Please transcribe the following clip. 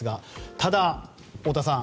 ただ太田さん